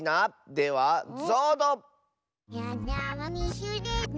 ではぞうど！